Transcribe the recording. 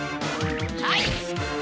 はい！